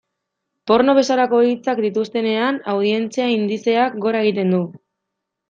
Porno bezalako hitzak dituztenean, audientzia indizeak gora egiten du.